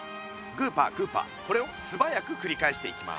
グーパーグーパーこれをすばやくくりかえしていきます。